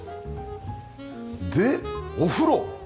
でお風呂！